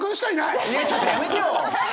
いやちょっとやめてよ！